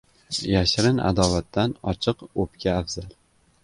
• Yashirin adovatdan ochiq o‘pka afzal.